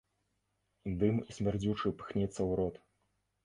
Дым смярдзючы пхнецца ў рот.